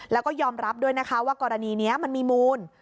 แล้วก็ยอมรับด้วยนะคะว่ากรณีนี้มันมีมูล